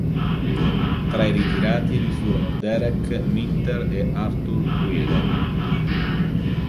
Tra i ritirati vi furono Derek Minter e Arthur Wheeler.